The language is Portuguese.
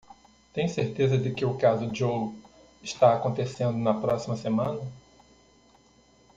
Tem certeza de que o caso Joe está acontecendo na próxima semana?